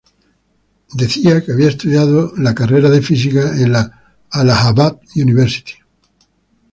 Él decía que había estudiado la carrera de física en la Allahabad University.